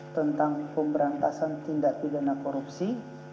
tentang pemberantasan tindak pidana korupsi